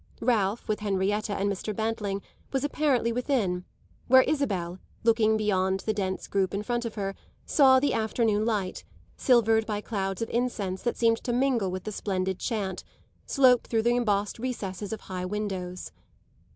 Ralph, with Henrietta and Mr. Bantling, was apparently within, where Isabel, looking beyond the dense group in front of her, saw the afternoon light, silvered by clouds of incense that seemed to mingle with the splendid chant, slope through the embossed recesses of high windows.